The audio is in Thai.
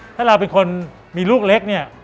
ถ้าเราเป็นคนมีลูกเล็ก